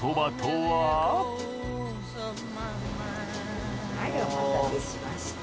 はいお待たせしました。